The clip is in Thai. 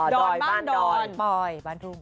อนบ้านดอนปอยบ้านทุ่ง